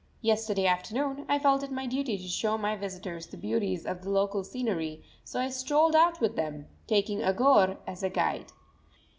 Yesterday afternoon I felt it my duty to show my visitors the beauties of the local scenery, so I strolled out with them, taking Aghore as a guide.